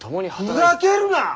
ふざけるな！